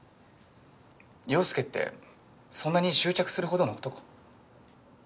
陽佑ってそんなに執着するほどの男？